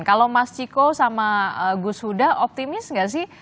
kalau mas ciko sama gus huda optimis nggak sih